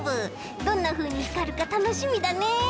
どんなふうにひかるかたのしみだね。